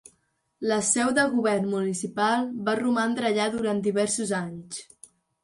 La seu del govern municipal va romandre allà durant diversos anys.